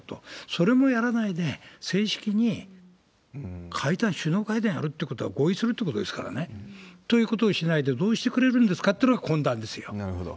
それもやらないで、正式に首脳会談やるってことは、合意するってことですからね。ということをしないでどうしてくれるんですかというのが、懇談でなるほど。